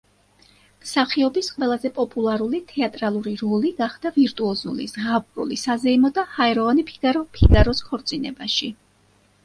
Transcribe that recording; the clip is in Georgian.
მსახიობის ყველაზე პოპულარული თეატრალური როლი გახდა ვირტუოზული, ზღაპრული, საზეიმო და ჰაეროვანი ფიგარო „ფიგაროს ქორწინებაში“.